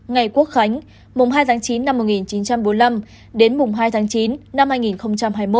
ngày quốc khánh mùng hai tháng chín năm một nghìn chín trăm bốn mươi năm đến mùng hai tháng chín năm hai nghìn hai mươi một